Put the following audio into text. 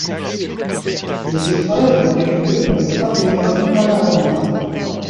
Les épreuves ont eu lieu dans le Pabellón Palaonda.